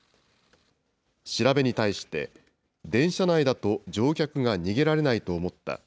調べに対して、電車内だと乗客が逃げられないと思った。